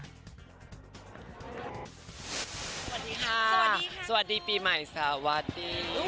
สวัสดีค่ะสวัสดีปีใหม่สวัสดี